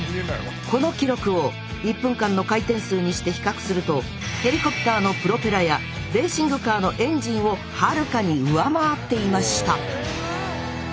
この記録を１分間の回転数にして比較するとヘリコプターのプロペラやレーシングカーのエンジンをはるかに上回っていました！